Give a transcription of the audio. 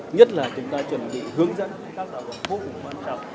nhất là chúng ta chuẩn bị hướng dẫn các tạo đoàn phố cũng quan trọng